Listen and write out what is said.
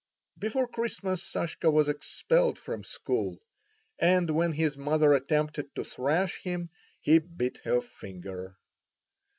Before Christmas Sashka was expelled from school, and when his mother attempted to thrash him, he bit her finger.